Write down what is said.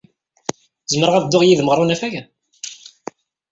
Zemreɣ ad dduɣ yid-m ɣer unafag?